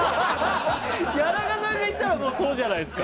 谷中さんが言ったらもうそうじゃないですか！